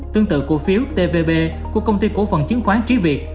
tương tự cổ phiếu tvb của công ty cổ phần chứng khoán trí việt